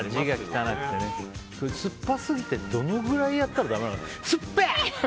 酸っぱすぎてってどのくらいやったらだめなのかな。